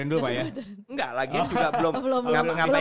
memang pun anjur gemacht ini ya tidak apa